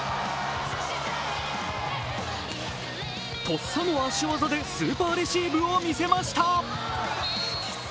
とっさの足技でスーパーレシーブを見せました。